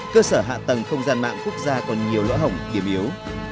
cơ sở hạ tầng không gian mạng quốc gia còn nhiều lõa hổng kiềm yếu